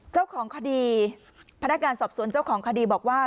เจ้าของคดีพนักงานสอบสวนเจ้าของคดีบอกว่า